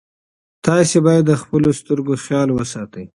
تاسي باید د خپلو سترګو خیال وساتئ.